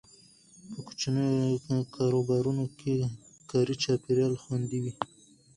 په کوچنیو کاروبارونو کې کاري چاپیریال خوندي وي.